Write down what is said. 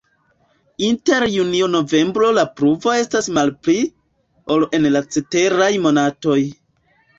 Inter junio-novembro la pluvo estas malpli, ol en la ceteraj monatoj.